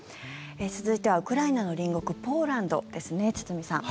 続いては、ウクライナの隣国ポーランドですね、堤さん。